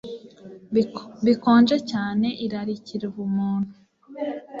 bikonje cyane irarikira ubumuntu